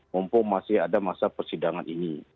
mumpung masih ada masa persidangan ini